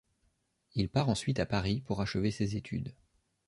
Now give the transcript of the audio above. Il part ensuite à Paris pour achever ses études.